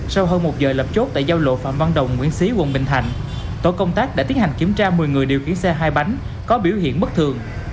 sau hơn một giờ lập chốt tại giao lộ phạm văn đồng nguyễn xí quận bình thạnh tổ công tác đã tiến hành kiểm tra một mươi người điều khiển xe hai bánh có biểu hiện bất thường